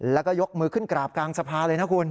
แล้วก็ยกมือขึ้นกราบกลางสภาเลยนะคุณ